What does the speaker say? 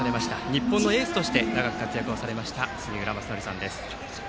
日本のエースとして長く活躍をされました杉浦正則さんです。